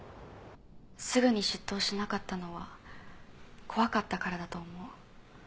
すぐに出頭しなかったのは怖かったからだと思う。